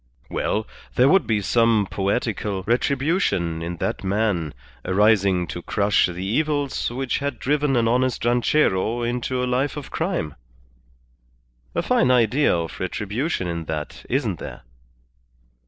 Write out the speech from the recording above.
Well, there would be some poetical retribution in that man arising to crush the evils which had driven an honest ranchero into a life of crime. A fine idea of retribution in that, isn't there?"